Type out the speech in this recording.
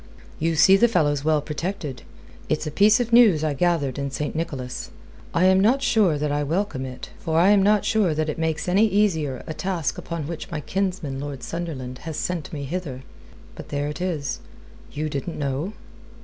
You see the fellow's well protected. It's a piece of news I gathered in St. Nicholas. I am not sure that I welcome it, for I am not sure that it makes any easier a task upon which my kinsman, Lord Sunderland, has sent me hither. But there it is. You didn't know?"